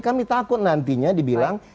kami takut nantinya dibilang